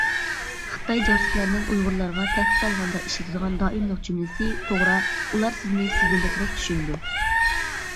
خىتاي جاسۇسلارنىڭ ئۇيغۇرلارغا تەھدىت سالغاندا ئىشلىتىدىغان دائىملىق جۈملىسى توغرا، ئۇلار سىزنى سىزدىن بەكرەك چۈشىنىدۇ.